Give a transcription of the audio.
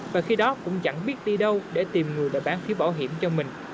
và khi đó cũng chẳng biết đi đâu để tìm người đã bán phiếu bảo hiểm cho mình